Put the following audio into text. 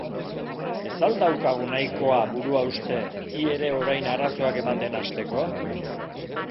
Ez al daukagu nahikoa buruhauste, hi ere orain arazoak ematen hasteko?